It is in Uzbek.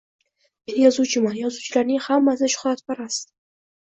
Men yozuvchiman, yozuvchilarning hammasi shuhratpast.